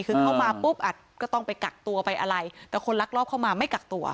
คือเข้ามาปุ๊บอ่ะก็ต้องไปกักตัวไปอะไรแต่คนลักลอบเข้ามาไม่กักตัว